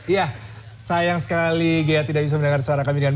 ya sayang sekali ghea tidak bisa mendengarkan suara kami